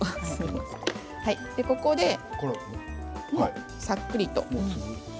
ここで、さっくりと。